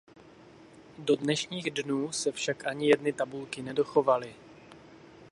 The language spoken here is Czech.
Do dnešních dnů se však ani jedny tabulky nedochovaly.